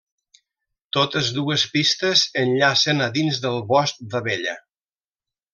Totes dues pistes enllacen a dins del Bosc d'Abella.